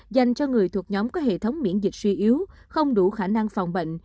dành cho người thuộc nhóm có hệ thống miễn dịch suy yếu không đủ khả năng phòng bệnh